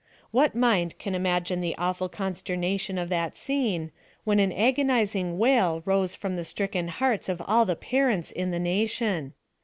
What mind can imagine the awful consternation of that scene, when an agoni zing wail rose from the stricken hearts of all the pa rents in the nation